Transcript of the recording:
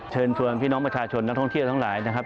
เชิญชวนพี่น้องประชาชนนักท่องเที่ยวทั้งหลายนะครับ